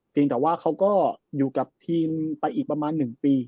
แต่ว่าเขาก็อยู่กับทีมไปอีกประมาณ๑ปี